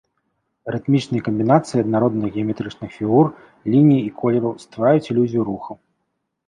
Рытмічныя камбінацыі аднародных геаметрычных фігур, ліній і колеру ствараюць ілюзію руху.